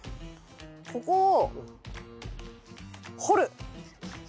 ここを掘る！